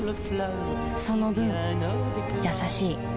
その分優しい